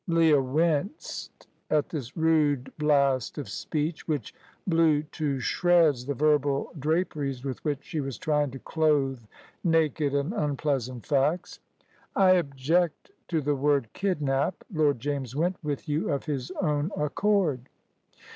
Leah winced at this rude blast of speech, which blew to shreds the verbal draperies with which she was trying to clothe naked and unpleasant facts. "I object to the word kidnap. Lord James went with you of his own accord."